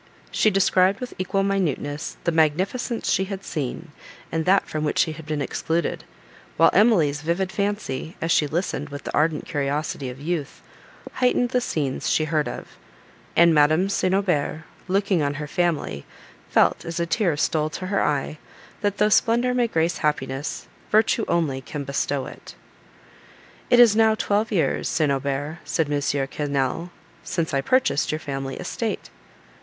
She described with equal minuteness the magnificence she had seen, and that from which she had been excluded; while Emily's vivid fancy, as she listened with the ardent curiosity of youth, heightened the scenes she heard of; and Madame St. Aubert, looking on her family, felt, as a tear stole to her eye, that though splendour may grace happiness, virtue only can bestow it. "It is now twelve years, St. Aubert," said M. Quesnel, "since I purchased your family estate."